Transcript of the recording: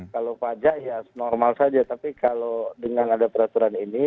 kalau pajak ya normal saja tapi kalau dengan ada peraturan ini